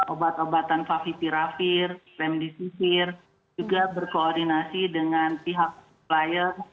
obat obatan favipiravir femdisifir juga berkoordinasi dengan pihak supplier